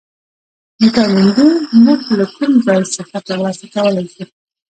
ویټامین ډي موږ له کوم ځای څخه ترلاسه کولی شو